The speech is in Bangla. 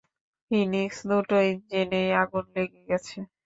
ফিনিক্স, দুটো ইঞ্জিনেই আগুন লেগে গেছে।